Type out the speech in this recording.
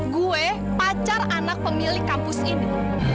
gue pacar anak pemilik kampus ini